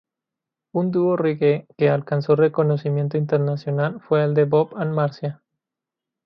Un dúo reggae que alcanzó reconocimiento internacional fue el de Bob and Marcia.